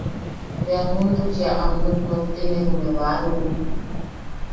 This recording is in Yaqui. Bea juntuchia am nuknottine ume baʼanum.